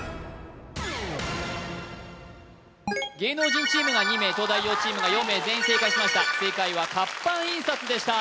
芸能人チームが２名東大王チームが４名全員正解しました正解は活版印刷でした